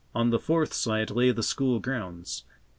On the fourth side lay the school grounds.